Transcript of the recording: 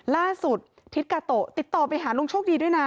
ล่าสุดทิศกาโตะติดต่อไปหาลุงโชคดีด้วยนะ